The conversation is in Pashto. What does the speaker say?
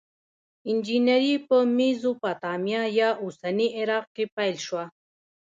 انجنیری په میزوپتامیا یا اوسني عراق کې پیل شوه.